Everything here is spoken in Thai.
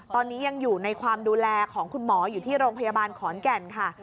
ตอนนี้ยังอยู่ในความดูแลของคุณหมออยู่ที่โรงพยาบาลขอนแก่นค่ะ